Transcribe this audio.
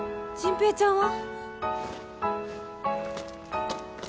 迅平ちゃんは？